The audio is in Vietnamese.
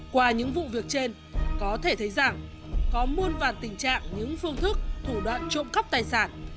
qua những vụ việc trên có thể thấy rằng có muôn vàn tình trạng những phương thức thủ đoạn trộm cắp tài sản